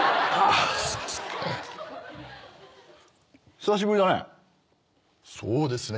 久しぶりだね。